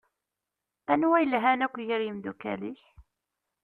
Anwa yelhan akk gar imdukal-ik?